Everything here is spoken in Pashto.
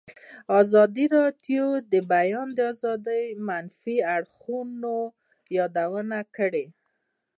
ازادي راډیو د د بیان آزادي د منفي اړخونو یادونه کړې.